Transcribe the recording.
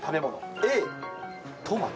Ａ、トマト。